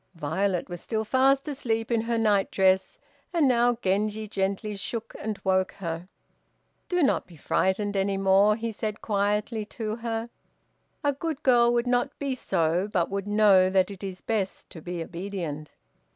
Violet was still fast asleep in her night dress, and now Genji gently shook and woke her. "Do not be frightened any more," he said quietly to her; "a good girl would not be so, but would know that it is best to be obedient."